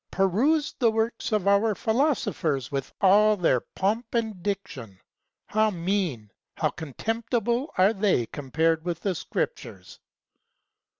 Peruse the works of our philosophers with all their pomp of diction: how mean, how contemptible are they compared with the Scriptures